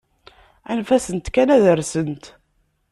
Anef-sent kan ad rsent.